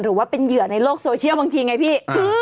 หรือว่าเป็นเหยื่อในโลกโซเชียลบางทีไงพี่